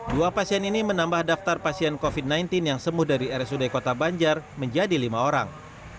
dua pasien ini menambah daftar pasien covid sembilan belas yang sembuh dari rsud kota banjar menjadi lima orang